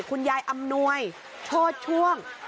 คุณยายอำนวยโทษช่วง